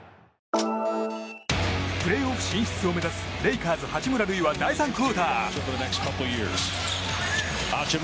プレーオフ進出を目指すレイカーズ、八村塁は第３クオーター。